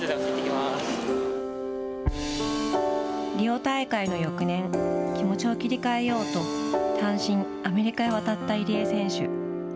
リオ大会の翌年気持ちを切り替えようと単身アメリカへ渡った入江選手。